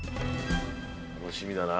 楽しみだな。